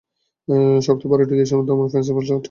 শক্ত পাউরুটি দিয়ে তোমার ফ্রেঞ্চ টোস্ট বানানোর উচিত।